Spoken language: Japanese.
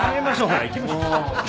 ほら行きましょう。